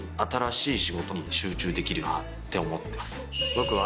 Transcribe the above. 僕は。